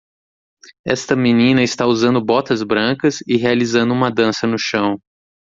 Esta menina está usando botas brancas e realizando uma dança no chão